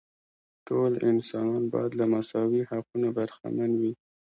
ټول انسانان باید له مساوي حقوقو برخمن وي.